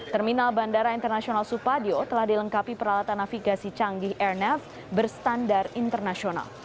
terminal bandara internasional supadio telah dilengkapi peralatan navigasi canggih airnav berstandar internasional